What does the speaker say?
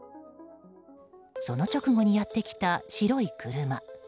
その直後にやってきた白い車。